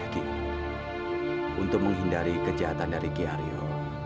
ki untuk menghindari kejahatan dari ki aryo